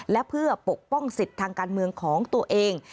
และเพื่อปกป้องสิทธิ์ทางการเมืองของตัวเอง